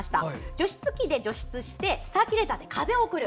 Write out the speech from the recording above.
除湿機で除湿してサーキュレーターで風を送る。